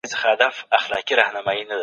سياسي قدرت بايد د خدمت لپاره وي.